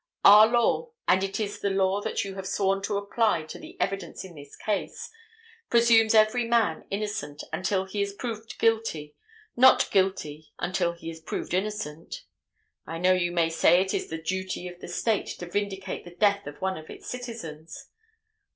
Our law—and it is the law that you have sworn to apply to the evidence in this case—presumes every man innocent until he is proved guilty, not guilty until he is proved innocent. I know you may say it is the duty of the State to vindicate the death of one of its citizens.